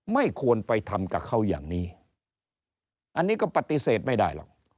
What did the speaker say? ไม่ควรไปทำกับเขาอย่างนี้อันนี้ก็ปฏิเสธไม่ได้หรอก